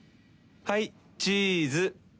はいチーズ。